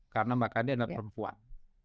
karena mbak kd adalah perempuan